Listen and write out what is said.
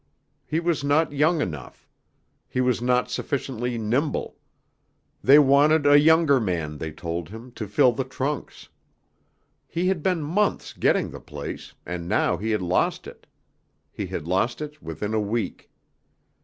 He was not young enough. He was not sufficiently nimble. They wanted a younger man, they told him, to lift the trunks. He had been months getting the place and now he had lost it. He had lost it within a week.